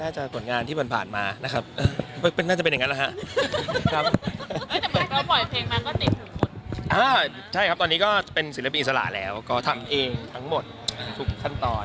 ใช่ครับตอนนี้ก็เป็นศิลปินอิสระแล้วก็ทำเองทั้งหมดทุกขั้นตอน